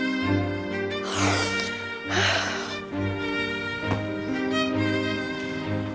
aku harus telpon nino aku harus telpon nino sekarang